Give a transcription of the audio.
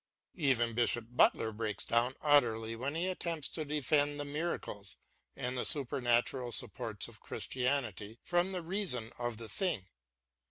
Even Bishop Butler breaks down utterly when he attempts to defend the miracles and the super natural supports of Christianity from the reason of the thing.